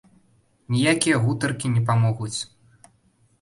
Ніякія гутаркі не памогуць.